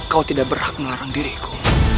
kau tidak berhak melarang diriku